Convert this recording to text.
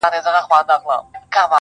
زاړه به ځي نوي نسلونه راځي!!